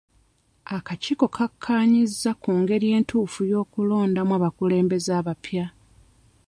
Akakiiko kakaanyizza ku ngeri entuufu ey'okulondamu abakulembeze abapya.